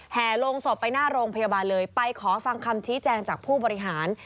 ลงศพไปหน้าโรงพยาบาลเลยไปขอฟังคำชี้แจงจากผู้บริหาร